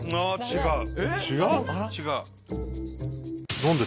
違う？